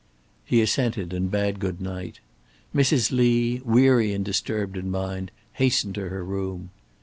He assented and bade good night. Mrs. Lee, weary and disturbed in mind, hastened to her room.